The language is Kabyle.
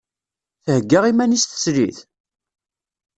Thegga iman-is teslit?